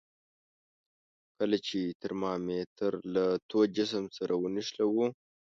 کله چې ترمامتر له تود جسم سره ونښلولو.